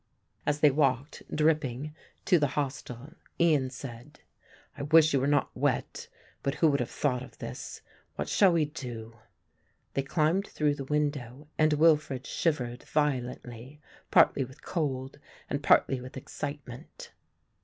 As they walked, dripping, to the hostel, Ian said, "I wish you were not wet, but who would have thought of this? What shall we do?" They climbed through the window and Wilfred shivered violently, partly with cold and partly with excitement.